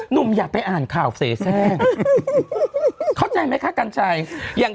หนุ่มอย่าไปอ่านข่าวเสร็จแซ่ง